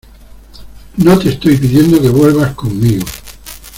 no te estoy pidiendo que vuelvas conmigo